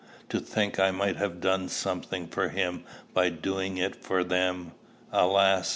to think I might have done something for Him by doing it for them! Alas!